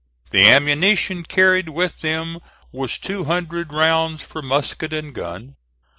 The ammunition carried with them was two hundred rounds for musket and gun.